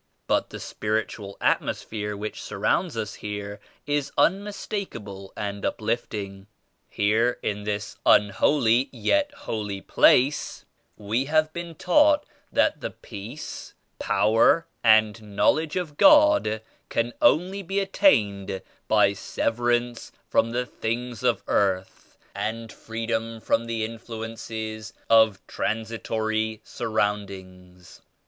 But the spiritual atmosphere which surrounds us here is unmistakable and uplifting. Here in this unholy yet holy place we have been taught that the Peace, Power and Knowledge of God can only be attained by severance from the things of earth and freedom from the influences of transitory surroundings.